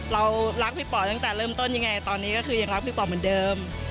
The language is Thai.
เรารักพี่ป๋อตั้งแต่เริ่มต้นยังไงตอนนี้ก็คือยังรักพี่ป๋อเหมือนเดิม